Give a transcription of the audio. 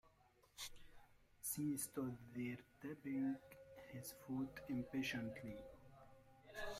Sean stood there tapping his foot impatiently.